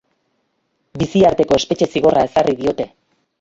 Bizi arteko espetxe zigorra ezarri diote.